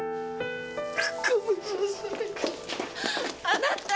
あなた！